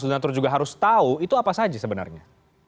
donatur juga harus tahu itu apa saja sebenarnya